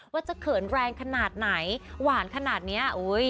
ว่าจะเขินแรงขนาดไหนหวานขนาดนี้